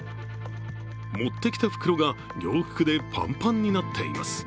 持ってきた袋が、洋服でパンパンになっています。